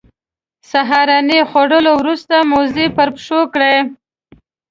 سهارنۍ خوړلو وروسته موزې پر پښو کړې.